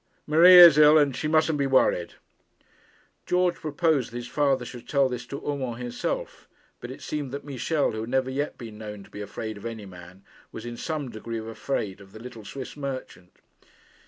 Marie is ill, and she mustn't be worried.' George proposed that his father should tell this to Urmand himself; but it seemed that Michel, who had never yet been known to be afraid of any man, was in some degree afraid of the little Swiss merchant.